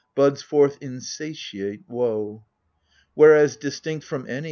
Buds forth insatiate woe." Whereas, distinct from any.